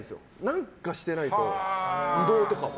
何かしてないと移動とかも。